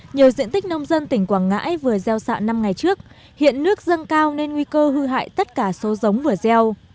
nhiều diện tích nông dân tỉnh quảng ngãi vừa gieo xạ năm ngày trước hiện nước dâng cao nên nguy cơ hư hại tất cả số giống vừa gieo